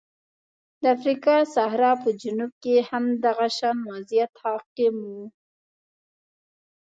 د افریقا صحرا په جنوب کې هم دغه شان وضعیت حاکم و.